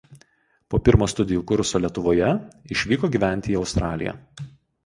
Po pirmo studijų kurso Lietuvoje išvyko gyventi į Australiją.